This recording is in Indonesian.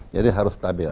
jadi harus stabil